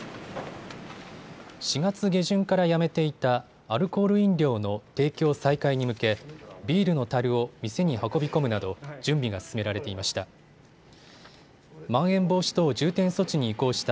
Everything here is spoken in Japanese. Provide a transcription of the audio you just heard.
４月下旬からやめていたアルコール飲料の提供再開に向けビールのたるを店に運び込むなど準備が進められていました。